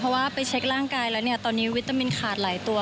เพราะว่าไปเช็คร่างกายแล้วเนี่ยตอนนี้วิตามินขาดหลายตัว